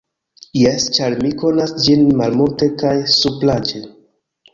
Jes, ĉar mi konas ĝin malmulte kaj supraĵe.